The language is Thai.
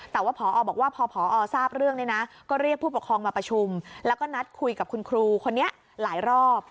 แต่ว่าพอบอกว่าพอพอทราบเรื่องเนี่ยนะก็เรียกผู้ปกครองมาประชุมแล้วก็นัดคุยกับคุณครูคนนี้หลายรอบ